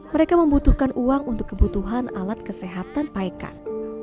mereka membutuhkan uang untuk kebutuhan alat kesehatan paekar